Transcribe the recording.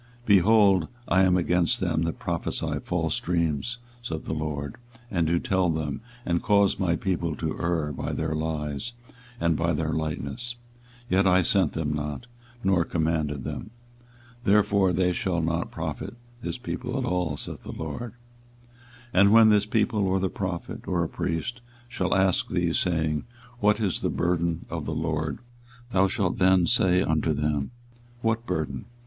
24:023:032 Behold, I am against them that prophesy false dreams, saith the LORD, and do tell them, and cause my people to err by their lies, and by their lightness; yet I sent them not, nor commanded them: therefore they shall not profit this people at all, saith the LORD. 24:023:033 And when this people, or the prophet, or a priest, shall ask thee, saying, What is the burden of the LORD? thou shalt then say unto them, What burden?